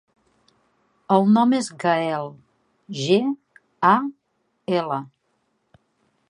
El nom és Gaël: ge, a, ela.